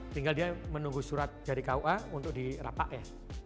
tinggal dia menunggu surat dari kua untuk dirapak ya